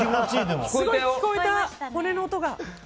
すごい聞こえた、骨の音が。